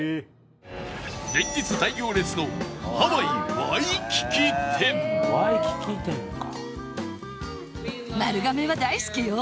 連日大行列のワイキキ店か。